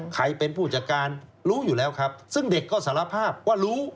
ใครเป็นผู้จัดการรู้อยู่แล้วครับซึ่งเด็กก็สารภาพว่ารู้